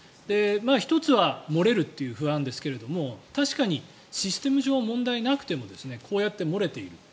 １つは漏れるという不安ですけれど確かにシステム上問題なくてもこうやって漏れている。